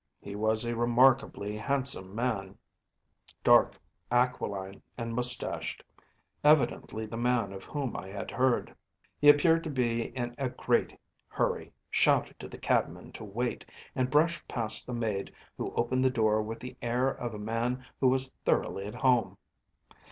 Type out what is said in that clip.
He was a remarkably handsome man, dark, aquiline, and moustached‚ÄĒevidently the man of whom I had heard. He appeared to be in a great hurry, shouted to the cabman to wait, and brushed past the maid who opened the door with the air of a man who was thoroughly at home.